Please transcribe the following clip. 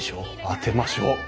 当てましょう。